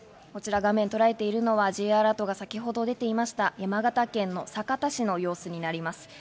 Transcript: こちら画面でとらえているのはＪアラートが先ほど出ていました、山形県の酒田市の様子になります。